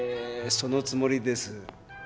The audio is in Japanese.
そのつもりです。